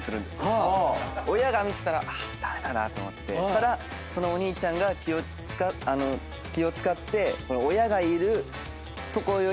ただそのお兄ちゃんが気を使って。